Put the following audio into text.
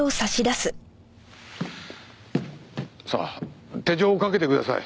さあ手錠をかけてください。